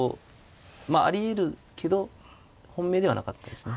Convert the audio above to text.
まあありえるけど本命ではなかったですね。